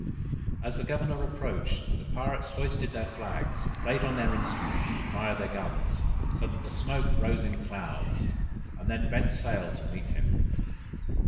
As the governor approached, the pirates hoisted their flags, played on their instruments, and fired their guns, so that the smoke rose in clouds, and then bent sail to meet him.